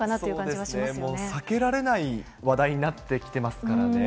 もう避けられない話題になってきてますからね。